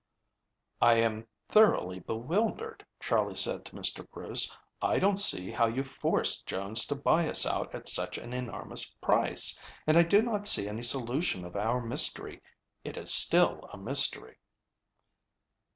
"I am thoroughly bewildered," Charley said to Mr. Bruce. "I don't see how you forced Jones to buy us out at such an enormous price, and I do not see any solution of our mystery. It is still a mystery."